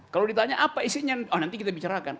kalau ditanya apa isinya nanti kita bicarakan